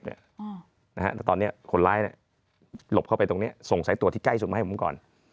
แต่ตอนนี้คนร้ายหลบเข้าไปตรงนี้ส่งสายตรวจที่ใกล้สุดมาให้ผมก่อน